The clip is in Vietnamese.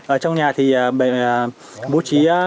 ở trong nhà thì bố trí